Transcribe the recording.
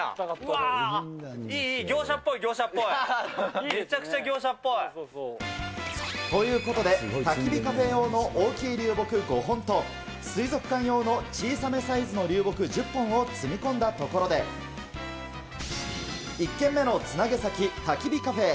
うわー、いい、いい、業者っぽい、業者っぽい、めちゃくちゃ業者っぽい。ということで、たき火カフェ用の大きい流木５本と、水族館用の小さめサイズの流木１０本を積み込んだところで、１軒目の繋げ先、たき火カフェへ。